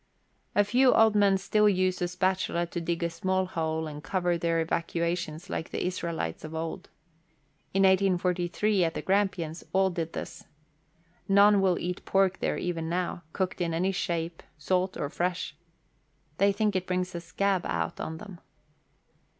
A few old men still use a spatula to dig a small hole, and cover their evacuations like the Israelites of old. In 1843, at the Grampians, all did this. None will eat pork there even now, cooked in any shape, salt or fresh. They think it brings a scab out on them.